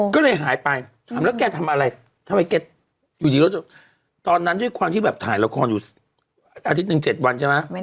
ก็เลยหายไปถามแล้วแกทำอะไรทำไมแกอยู่ดีแล้วตอนนั้นด้วยความที่แบบถ่ายละครอยู่อาทิตย์หนึ่ง๗วันใช่ไหม